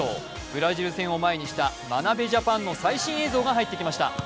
ブラジル戦を前にした眞鍋ジャパンの最新映像が入ってきました。